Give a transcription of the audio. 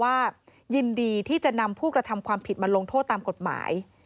ยินดีที่จะนำผู้กระทำความผิดมาลงโทษตามกฎหมาย